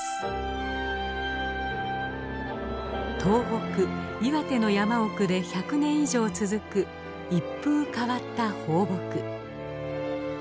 東北岩手の山奥で１００年以上続く一風変わった放牧。